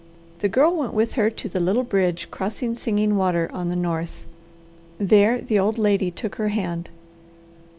The Girl went with her to the little bridge crossing Singing Water on the north. There the old lady took her hand.